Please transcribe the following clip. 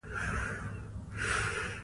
ژوند په مسکاوو ښکلی دي.